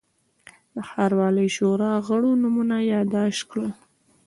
د ښاروالۍ شورا غړو نومونه یاداشت کړل.